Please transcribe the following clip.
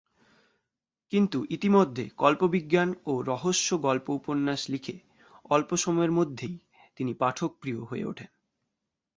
কিন্তু ইতিমধ্যে কল্পবিজ্ঞান ও রহস্য গল্প-উপন্যাস লিখে অল্প সময়ের মধ্যেই তিনি পাঠকপ্রিয় হয়ে ওঠেন।